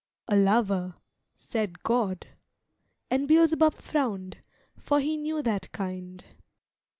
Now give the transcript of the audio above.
"A lover," said God. And Beelzebub frowned, for he knew that kind.